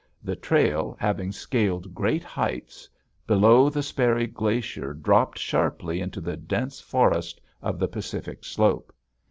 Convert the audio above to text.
The trail, having scaled great heights, below the Sperry Glacier dropped sharply into the dense forest of the Pacific Slope.